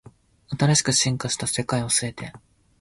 新しく進化した世界捉えて